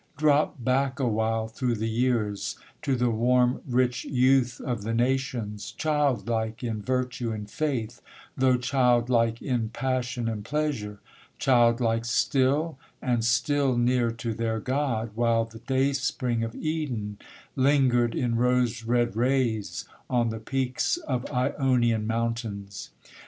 Drop back awhile through the years, to the warm rich youth of the nations, Childlike in virtue and faith, though childlike in passion and pleasure, Childlike still, and still near to their God, while the day spring of Eden Lingered in rose red rays on the peaks of Ionian mountains.